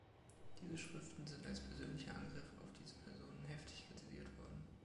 Diese Schriften sind als persönliche Angriffe auf diese Personen heftig kritisiert worden.